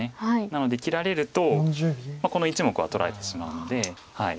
なので切られるとこの１目は取られてしまうので。